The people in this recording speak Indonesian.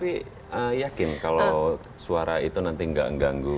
tapi yakin kalau suara itu nanti gak nge ganggu